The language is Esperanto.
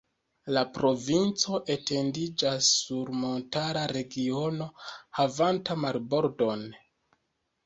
La provinco etendiĝas sur montara regiono havanta marbordon.